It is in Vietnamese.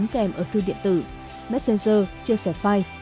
xem ở thư điện tử messenger chia sẻ file